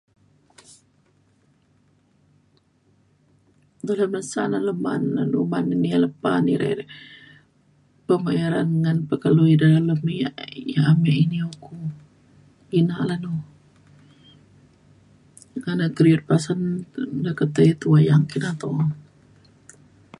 dulu bangsa dalem man uman ini lepa ni re pembayaran ngan pekaliu ida dalem yak abe ini uko pina lan o. na na [unintelligible] pasen da ke tai wayang ti da to o.